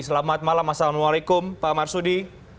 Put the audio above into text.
selamat malam assalamualaikum pak marsudi